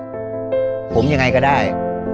ผมมีความสุขผมยังไงก็ได้